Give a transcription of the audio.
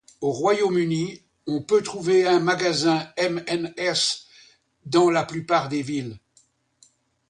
Au Royaume-Uni, on peut trouver un magasin M&S dans la plupart des villes.